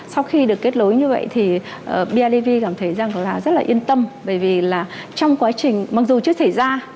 sau khi được kết lối như vậy thì biav cảm thấy rất yên tâm bởi vì trong quá trình mặc dù chưa thể ra